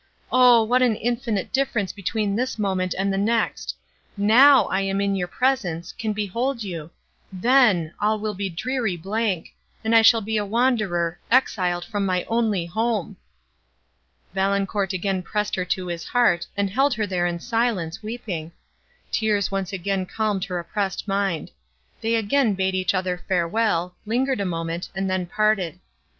O! what an infinite difference between this moment and the next!—now, I am in your presence, can behold you! then, all will be a dreary blank—and I shall be a wanderer, exiled from my only home!" Valancourt again pressed her to his heart, and held her there in silence, weeping. Tears once again calmed her oppressed mind. They again bade each other farewell, lingered a moment, and then parted.